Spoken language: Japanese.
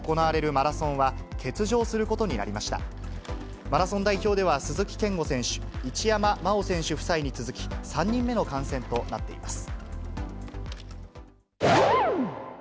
マラソン代表では、鈴木健吾選手、一山麻緒選手夫妻に続き、３人目の感染となっています。